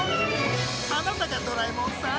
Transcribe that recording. あなたがドラえもんさん？